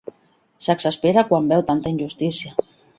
S'exaspera quan veu tanta injustícia.